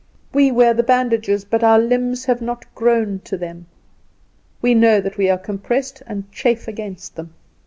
We wear the bandages, but our limbs have not grown to them; we know that we are compressed, and chafe against them.